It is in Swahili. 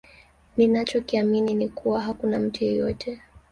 Ninacho kiamini ni kuwa hakuna mtu yeyote